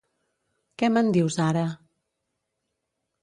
Què me'n dius ara?